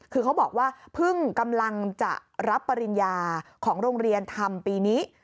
คือเขาบอกว่าเพิ่งกำลังจะรับปริญญาของโรงเรียนทำปีนี้